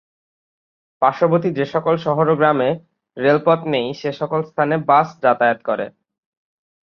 পার্শ্ববর্তী যে সকল শহর ও গ্রামে রেলপথ নেই সে সকল স্থানে বাস যাতায়াত করে।